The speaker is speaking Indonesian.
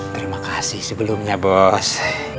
terima kasih sebelumnya bos